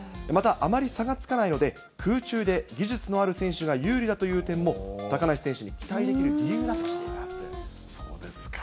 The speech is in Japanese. またあまり差がつかないので、空中で技術のある選手が有利だという点も、高梨選手に期待できる理由だとしています。